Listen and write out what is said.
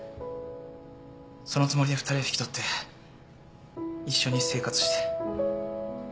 そのつもりで２人を引き取って一緒に生活して。